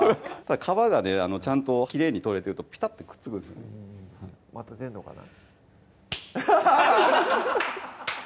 皮がちゃんときれいに取れてるとピタッてくっつくんですまた出んのかな？